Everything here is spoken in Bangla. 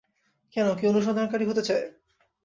কেন কেউ অনুসন্ধানকারী হতে চায়?